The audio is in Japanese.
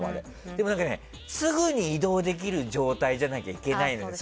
でも、すぐに移動できる状態じゃなきゃいけないじゃない。